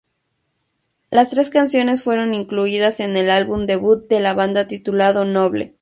Las tres canciones fueron incluidas en el álbum debut de la banda titulado "Noble".